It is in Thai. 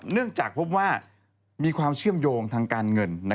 เนื่องจากพบว่ามีความเชื่อมโยงทางการเงิน